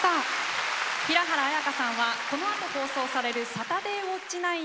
平原綾香さんはこのあと放送される「サタデーウオッチ９」にもご出演されます。